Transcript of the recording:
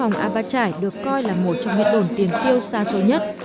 giải được coi là một trong những đồn tiền tiêu xa sâu nhất